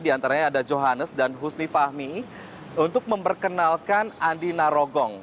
di antaranya ada johannes dan husni fahmi untuk memperkenalkan andi narogong